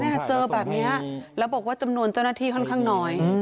เจอแบบนี้แล้วบอกว่าจำนวนเจ้าหน้าที่ค่อนข้างน้อย